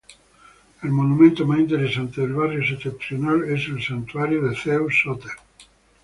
El monumento más interesante del barrio septentrional es el santuario de Zeus Sóter.